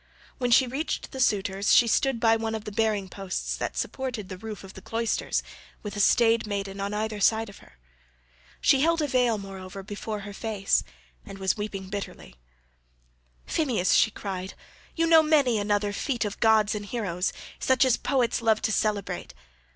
When she reached the suitors she stood by one of the bearing posts that supported the roof of the cloisters8 with a staid maiden on either side of her. She held a veil, moreover, before her face, and was weeping bitterly. "Phemius," she cried, "you know many another feat of gods and heroes, such as poets love to celebrate.